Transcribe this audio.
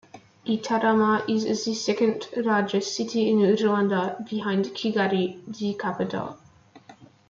Gitarama is the second-largest city in Rwanda, behind Kigali, the capital.